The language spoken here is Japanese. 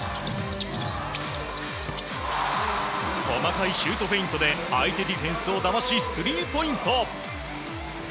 細かいシュートフェイントで相手ディフェンスをだましスリーポイント！